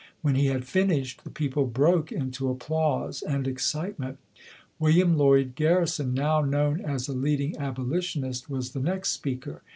When he had finished, the people broke into applause and ex citement. William Lloyd Garrison, now known as a leading abolitionist, was the next speaker.